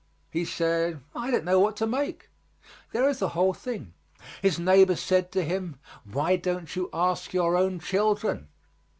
He said, "I don't know what to make!" There is the whole thing. His neighbor said to him: "Why don't you ask your own children?"